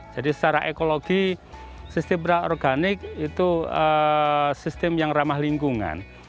jadi secara ekologi sistem organik itu sistem yang ramah lingkungan